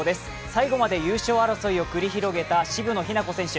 最後まで優勝争いを繰り広げた渋野日向子選手。